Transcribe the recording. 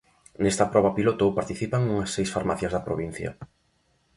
Nesta proba piloto participan unhas seis farmacias da provincia.